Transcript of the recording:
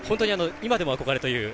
今でも憧れという。